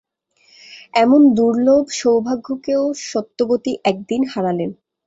এমন দুর্লভ সৌভাগ্যকেও সত্যবতী একদিন হারালেন।